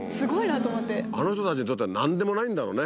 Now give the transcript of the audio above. あの人たちにとっては何でもないんだろうね。